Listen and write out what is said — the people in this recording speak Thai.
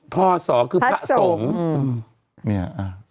พ่อสอคือพระสงฆ์